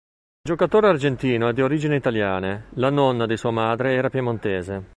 Il giocatore argentino è di origini italiane; la nonna di sua madre era piemontese.